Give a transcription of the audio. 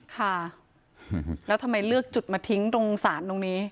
ค่ะแล้วทำไมเลือกจุดมาทิ้งตรงศาลตรงนี้